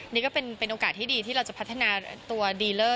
นี่ก็เป็นโอกาสที่ดีที่เราจะพัฒนาตัวดีเลอร์